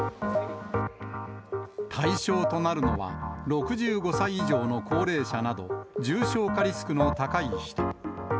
対象となるのは、６５歳以上の高齢者など、重症化リスクの高い人。